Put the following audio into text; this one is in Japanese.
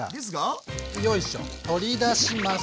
よいしょ取り出します。